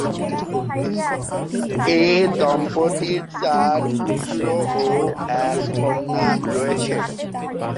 এ দম্পতির চার পুত্র ও এক কন্যা রয়েছে।